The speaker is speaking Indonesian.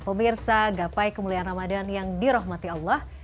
pemirsa gapai kemuliaan ramadan yang dirahmati allah